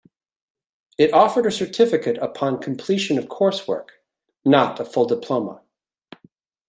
It offered a certificate upon completion of coursework, not a full diploma.